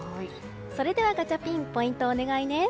それではガチャピンポイントをお願いね。